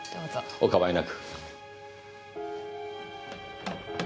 お構いなく。